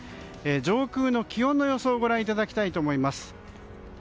上空の気温の予想をご覧いただきたいと思います。